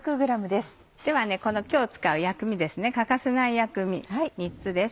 では今日使う薬味です欠かせない薬味３つです。